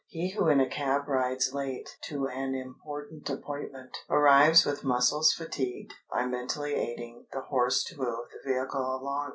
He who in a cab rides late to an important appointment arrives with muscles fatigued by mentally aiding the horse to move the vehicle along.